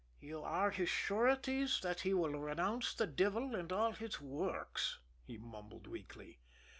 "'You are his sureties that he will renounce the devil and all his works,'" he mumbled weakly.